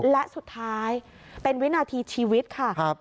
และสุดท้ายเป็นวินาทีชีวิตค่ะ